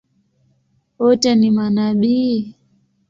Wote ni manabii?